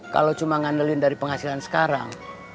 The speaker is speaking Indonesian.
kalau cuma ngandelin dari penghasilan sekarang